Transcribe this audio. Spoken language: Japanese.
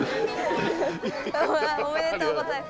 おめでとうございます。